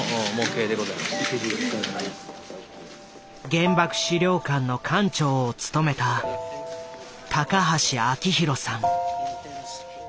原爆資料館の館長を務めた高橋昭博さん。